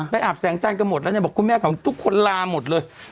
ไปอาบแสงจันทร์กันหมดแล้วบอกคุณแม่ผมทุกคนลาหมดเลย